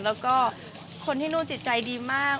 แล้วก็คนที่นู่นจิตใจดีมาก